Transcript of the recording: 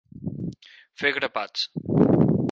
Fer a grapats.